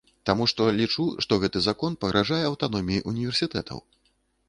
Таму што лічу, што, гэты закон пагражае аўтаноміі універсітэтаў.